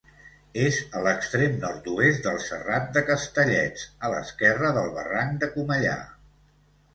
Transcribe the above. És a l'extrem nord-oest del Serrat de Castellets, a l'esquerra del barranc de Comellar.